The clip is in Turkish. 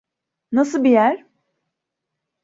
Nasıl bir yer?